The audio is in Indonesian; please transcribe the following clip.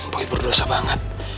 boy berdosa banget